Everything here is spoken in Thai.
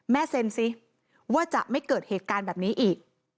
เซ็นสิว่าจะไม่เกิดเหตุการณ์แบบนี้อีก